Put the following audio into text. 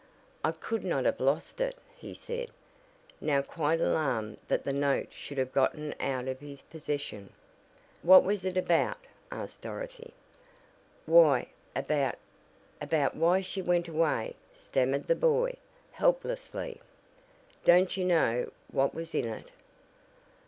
"I could not have lost it!" he said, now quite alarmed that the note should have gotten out of his possession. "What was it about?" asked Dorothy. "Why about about why she went away," stammered the boy, helplessly. "Don't you know what was in it?"